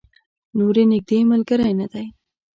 نور نږدې ملګری نه دی.